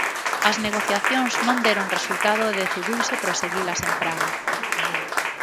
As negociacións non deron resultado e decidiuse proseguilas en Praga.